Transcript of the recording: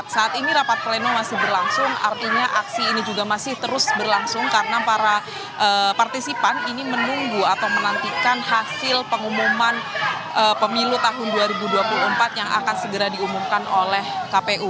saat ini rapat pleno masih berlangsung artinya aksi ini juga masih terus berlangsung karena para partisipan ini menunggu atau menantikan hasil pengumuman pemilu tahun dua ribu dua puluh empat yang akan segera diumumkan oleh kpu